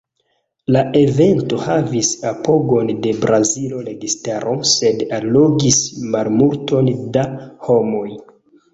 La evento havis apogon de brazila registaro, sed allogis malmulton da homoj.